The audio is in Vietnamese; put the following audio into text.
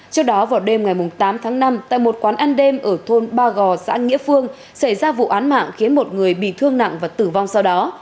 trước đó vào đêm ngày tám tháng năm tại một quán ăn đêm ở thôn ba gò xã nghĩa phương xảy ra vụ án mạng khiến một người bị thương nặng và tử vong sau đó